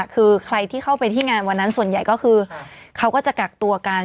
คือใครที่เข้าไปที่งานวันนั้นส่วนใหญ่ก็คือเขาก็จะกักตัวกัน